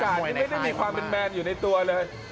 ถ้าเธอจัดการไม่ได้มีความเป็นแมนอยู่ในตัวเลย